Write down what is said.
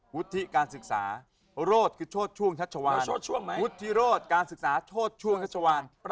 วุฒิการศึกษาโฆษก็โชดช่วงชัชวาน